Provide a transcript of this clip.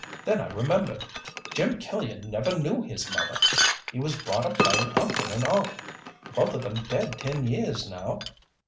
Then I remembered. Jim Killian never knew his mother. He was brought up by an uncle and aunt, both of them dead ten years now.